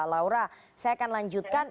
laura saya akan lanjutkan